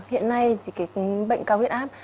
hiện nay bệnh cao huyết áp